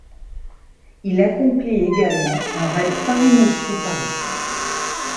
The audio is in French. Il accomplit également un raid Paris-Moscou-Paris.